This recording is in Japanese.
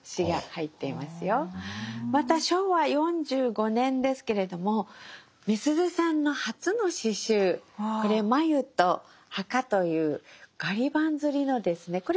また昭和４５年ですけれどもみすゞさんの初の詩集これ「繭と墓」というガリ版刷りのですね